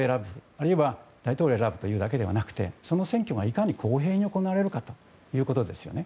あるいは、大統領を選ぶというだけではなくてその選挙がいかに公平に行われるかということですよね。